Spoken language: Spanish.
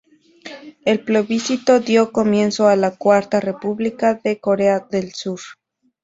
El plebiscito dio comienzo a la Cuarta República de Corea del Sur.